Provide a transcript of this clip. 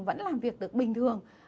vẫn làm việc được bình thường